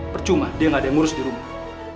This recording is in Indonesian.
percuma dia nggak ada yang ngurus di rumah